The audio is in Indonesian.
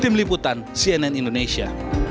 tim liputan cnn indonesia